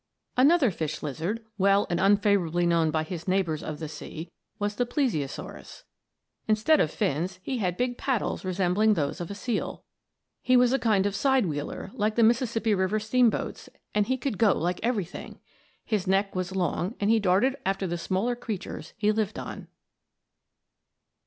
Another fish lizard, well and unfavorably known by his neighbors of the sea, was the Plesiosaurus. Instead of fins he had big paddles resembling those of the seal. He was a kind of side wheeler, like the Mississippi River steamboats, and he could go like everything! His neck was long and he darted after the smaller creatures he lived on.